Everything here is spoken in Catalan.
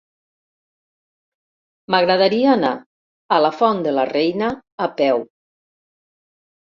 M'agradaria anar a la Font de la Reina a peu.